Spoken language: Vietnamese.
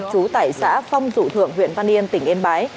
trú tại xã phong dụ thượng huyện văn yên tỉnh yên bái